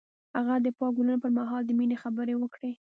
هغه د پاک ګلونه پر مهال د مینې خبرې وکړې.